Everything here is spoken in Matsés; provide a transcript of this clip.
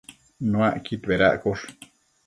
Nuacquid bedaccosh